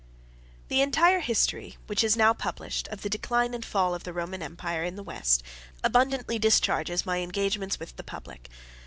The entire History, which is now published, of the Decline and Fall of the Roman Empire in the West, abundantly discharges my engagements with the Public.